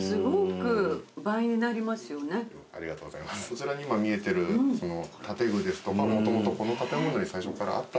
そちらに今見えてるその建具ですとかもともとこの建物に最初からあったもの。